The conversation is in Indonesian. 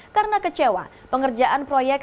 karena kecewa pengerjaan proyek